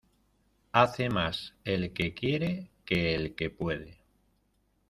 Hace más el que quiere que el que puede.